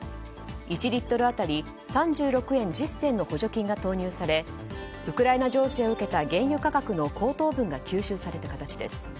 １リットル当たり３６円１０銭の補助金が投入されウクライナ情勢を受けた原油価格の高騰分が吸収された形です。